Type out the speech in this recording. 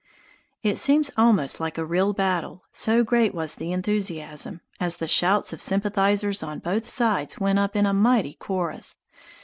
It seemed almost like a real battle, so great was the enthusiasm, as the shouts of sympathizers on both sides went up in a mighty chorus.